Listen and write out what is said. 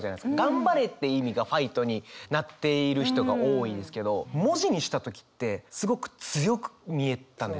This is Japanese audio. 「頑張れ」っていう意味が「ファイト」になっている人が多いんですけど文字にした時ってすごく強く見えたんですよね。